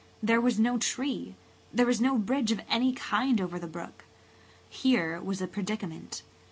There was no tree! There was no bridge of any kind over the brook! [Page 152] Here was a predicament!